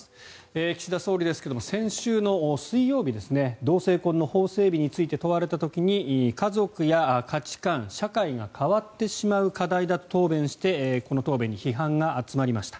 岸田総理ですが先週の水曜日同性婚の法整備について問われた時に家族や価値観、社会が変わってしまう課題だと答弁してこの答弁に批判が集まりました。